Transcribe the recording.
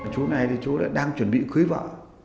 chú này thì chú đã đang chuẩn bị cưới vợ